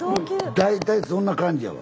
大体そんな感じやわ。